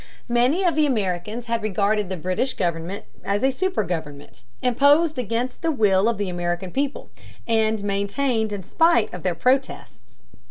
Many of the Americans had regarded the British government as a super government, imposed against the will of the American people, and maintained in spite of their protests.